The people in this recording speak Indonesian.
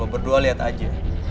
gue berdua liat aja